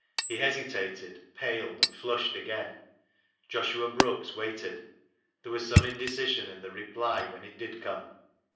He hesitated, paled, and flushed again. Joshua Brookes waited. There was some indecision in the reply when it did come.